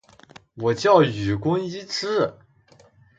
我叫雨宫伊织！